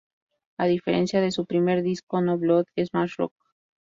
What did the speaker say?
A diferencia de su primer disco "No Blood" es más Rock.